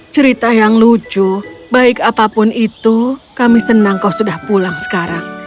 cerita yang lucu baik apapun itu kami senang kau sudah pulang sekarang